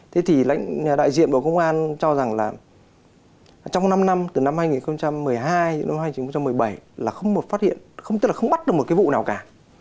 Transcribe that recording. thế thì lãnh nhà đại diện bộ công an cho rằng là trong năm năm từ năm hai nghìn một mươi hai đến năm hai nghìn một mươi bảy là không một phát hiện tức là không bắt được một cái vụ nào cả